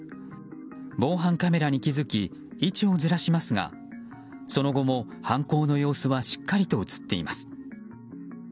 防犯カメラに気づき位置をずらしますがその後も犯行の様子はしっかりと映っています。